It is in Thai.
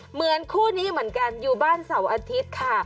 เหมือนคู่นี้เหมือนกันอยู่บ้านเสาร์อาทิตย์ค่ะ